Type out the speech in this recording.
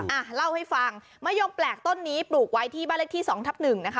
อ่ะเล่าให้ฟังมะยมแปลกต้นนี้ปลูกไว้ที่บ้านเลขที่สองทับหนึ่งนะคะ